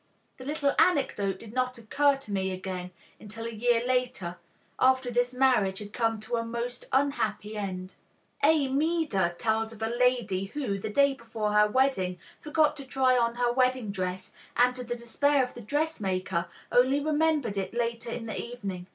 The little anecdote did not occur to me again until a year later, after this marriage had come to a most unhappy end. A. Maeder tells of a lady who, the day before her wedding, forgot to try on her wedding dress and to the despair of the dressmaker only remembered it later in the evening.